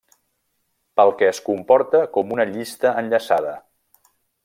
Pel que es comporta com una llista enllaçada.